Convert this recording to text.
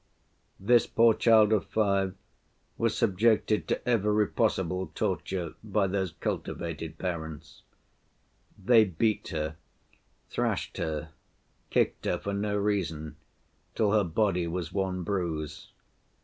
"This poor child of five was subjected to every possible torture by those cultivated parents. They beat her, thrashed her, kicked her for no reason till her body was one bruise.